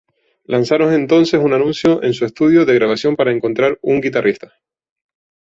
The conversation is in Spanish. Lanzaron entonces un anuncio en su estudio de grabación para encontrar un guitarrista.